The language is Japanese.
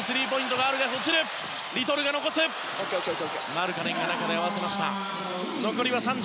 マルカネンが中で合わせました。